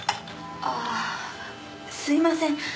ああすいません。